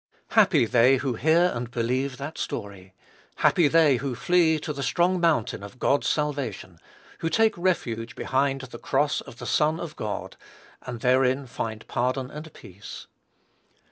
Happy they who hear and believe that story! Happy they who flee to the strong mountain of God's salvation! who take refuge behind the cross of the Son of God, and therein find pardon and peace!